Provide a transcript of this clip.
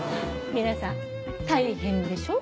・皆さん大変でしょう？